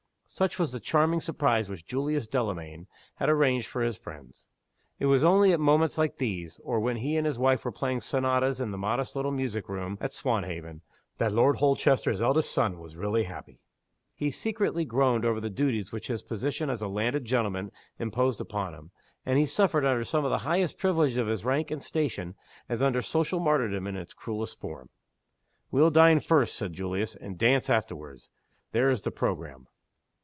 Such was the charming surprise which Julius Delamayn had arranged for his friends. It was only at moments like these or when he and his wife were playing Sonatas in the modest little music room at Swanhaven that Lord Holchester's eldest son was really happy. He secretly groaned over the duties which his position as a landed gentleman imposed upon him; and he suffered under some of the highest privileges of his rank and station as under social martyrdom in its cruelest form. "We'll dine first," said Julius, "and dance afterward. There is the programme!"